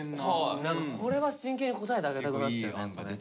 これは真剣に答えてあげたくなっちゃうねやっぱね。